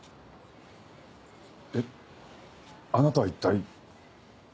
えっあなた一体。